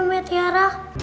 bila menemunya tiara